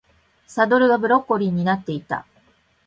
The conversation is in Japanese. サドルがブロッコリーになってた